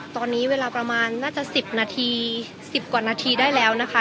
ตอนนี้เวลาประมาณน่าจะ๑๐นาที๑๐กว่านาทีได้แล้วนะคะ